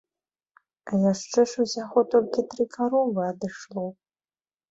А яшчэ ж усяго толькі тры каровы адышло.